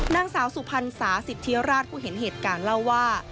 นางสาวสุพรรณสาสิทธิราชผู้เห็นเหตุการณ์เล่าว่า